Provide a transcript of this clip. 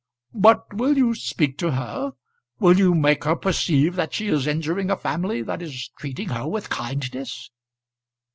"But will you speak to her? Will make her perceive that she is injuring a family that is treating her with kindness?"